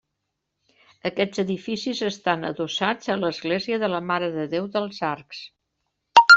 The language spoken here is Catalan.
Aquests edificis estan adossats a l'església de la Mare de Déu dels Arcs.